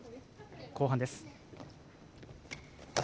後半です。